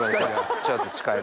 ちょっと近いな。